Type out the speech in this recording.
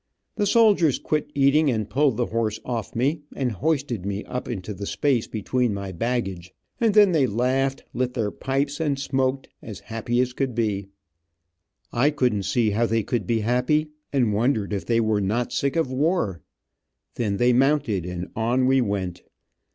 The soldiers quit eating and pulled the horse of me, and hoisted me up into the space between my baggage, and then they laughed, lit their pipes and smoked, as happy as could be. I couldn t see how they could be happy, and wondered if they were not sick of war. Then they mounted, and on we went.